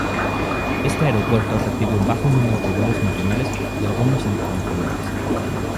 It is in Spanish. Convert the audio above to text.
Este aeropuerto recibe un bajo número de vuelos nacionales y algunos internacionales.